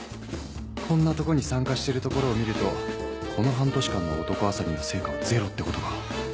「こんなとこに参加している所を見るとこの半年間の男漁りの成果はゼロってことか？」。